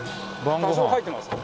多少入ってますよ。